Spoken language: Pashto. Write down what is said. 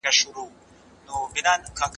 فساد هم د ژوند حق له منځه وړي.